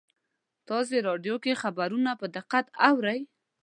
تاسې راډیو کې خبرونه په دقت اورئ